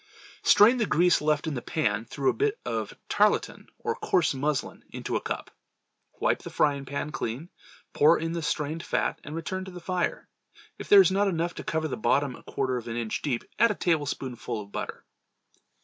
Strain the grease left in the pan through a bit of tarlatan or coarse muslin into a cup. Wipe the frying pan clean, pour in the strained fat and return to the fire. If there is not enough to cover the bottom a quarter of an inch deep, add a tablespoonful of butter.